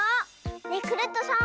ねえクルットさん